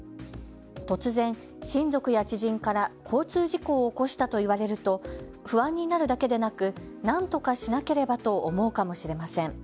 突然、親族や知人から交通事故を起こしたと言われると不安になるだけでなくなんとかしなければと思うかもしれません。